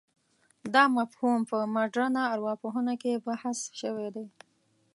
دا مفهوم په مډرنه ارواپوهنه کې بحث شوی دی.